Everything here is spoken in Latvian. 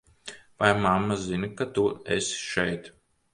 Vai mamma zina, ka tu esi šeit?